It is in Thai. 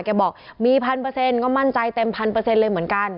บอกมี๑๐๐ก็มั่นใจเต็ม๑๐๐เลยเหมือนกัน